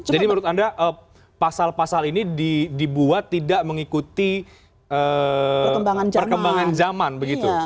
jadi menurut anda pasal pasal ini dibuat tidak mengikuti perkembangan zaman begitu